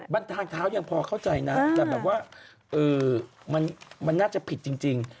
มันทางเท้ายังพอเข้าใจนะแต่แบบว่ามันน่าจะผิดจริง